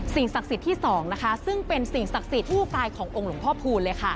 ศักดิ์สิทธิ์ที่๒นะคะซึ่งเป็นสิ่งศักดิ์สิทธิ์ผู้ตายขององค์หลวงพ่อพูนเลยค่ะ